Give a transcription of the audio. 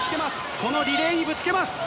このリレーにぶつけます。